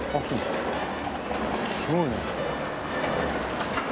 すごいね。